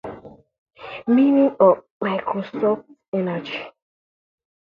It underscores the idea that the kids in question should stop teasing the boy.